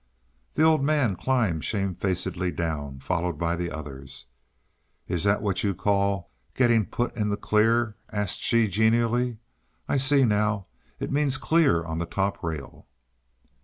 The Old Man climbed shamefacedly down, followed by the others. "Is that what you call 'getting put in the clear'?" asked she, genially. "I see now it means clear on the top rail."